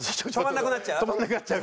止まらなくなっちゃう？